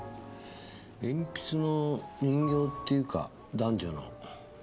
鉛筆の人形っていうか男女の。